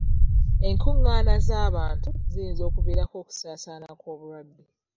Enkungaana z'abantu ziyinza okuviirako okusaasaana kw'obulwadde.